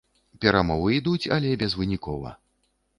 Перамовы ідуць, але безвынікова.